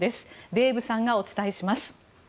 デーブさんがお伝えします。